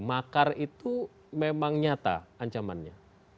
makar itu memang nyata ancamannya